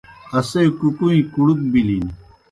اسے کُکُوئیں کُڑُک بِلِن۔